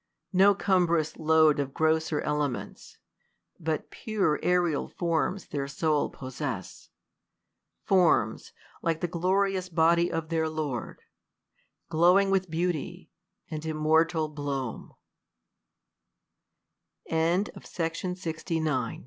No cumb'rous load of grosser elements. But pure aerial forms their soul possess ; Forms, like the glorious body of their Lord, Glowing with beauty and immortal bl